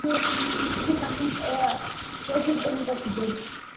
Por eso, deben tomarse todas estas fechas con un criterio más bien pedagógico.